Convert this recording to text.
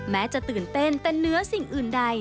แม้จะตื่นเต้นแต่เนื้อสิ่งอื่นใด